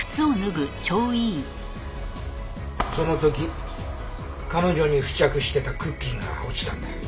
その時彼女に付着してたクッキーが落ちたんだ。